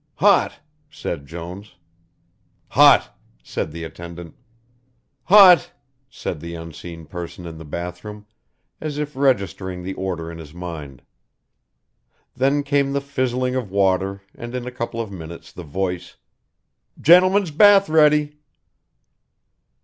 "Hot," said Jones. "Hot," said the attendant. "Hot," said the unseen person in the bath room, as if registering the order in his mind. Then came the fizzling of water and in a couple of minutes the voice: "Gentleman's bath ready."